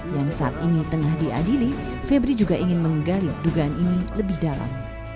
yang saat ini tengah diadili febri juga ingin menggali dugaan ini lebih dalam